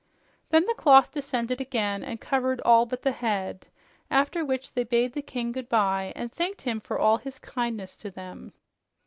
Then the cloth descended again and covered all but the head, after which they bade the king goodbye and thanked him for all his kindness to them.